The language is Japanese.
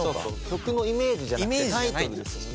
曲のイメージじゃなくてタイトルですもんね。